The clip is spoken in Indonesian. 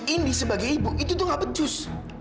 indi sebagai ibu itu tuh gak becus